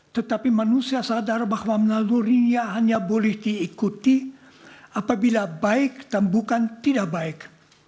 tetapi manusia sadar bahwa nalurinia hanya boleh diikuti apabila baik dan bukan tidak baik